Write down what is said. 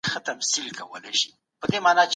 زه تر درختي لاندي کښېنم.